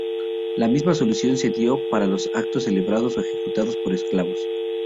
La misma solución se dio para los actos celebrados o ejecutados por esclavos.